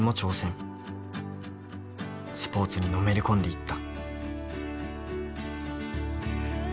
スポーツにのめり込んでいった。